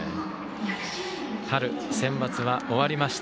春センバツは終わりました。